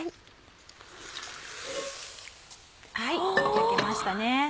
焼けました。